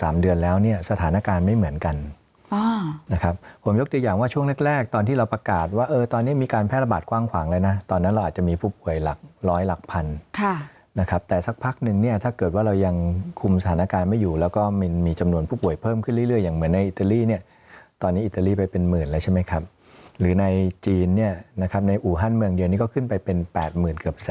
มีการแพร่ระบาดกว้างขวางเลยนะตอนนั้นเราอาจจะมีผู้ป่วยหลักร้อยหลักพันนะครับแต่สักพักนึงเนี่ยถ้าเกิดว่าเรายังคุมสถานการณ์ไม่อยู่แล้วก็มีจำนวนผู้ป่วยเพิ่มขึ้นเรื่อยอย่างเหมือนในอิตาลีเนี่ยตอนนี้อิตาลีไปเป็นหมื่นแล้วใช่ไหมครับหรือในจีนเนี่ยนะครับในอูฮั่นเมืองเดียวนี้ก็ขึ้นไปเป็น๘หม